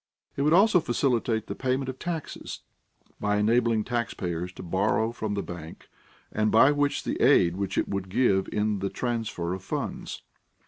It would also facilitate the payment of taxes, by enabling tax payers to borrow from the bank and by the aid which it would give in the transfer of funds.